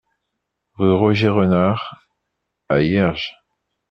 Rue Roger Renard à Hierges